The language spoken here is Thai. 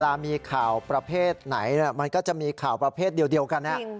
เวลามีข่าวประเภทไหนมันก็จะมีข่าวประเภทเดียวกัน